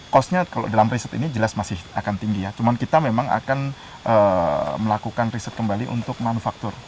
cost nya kalau dalam riset ini jelas masih akan tinggi ya cuman kita memang akan melakukan riset kembali untuk manufaktur